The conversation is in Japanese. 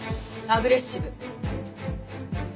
アグレッシブ。